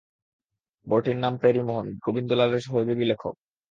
বরটির নাম প্যারীমোহন, গোবিন্দলালের সহযোগী লেখক।